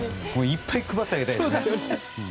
いっぱい配ってあげたいですよね。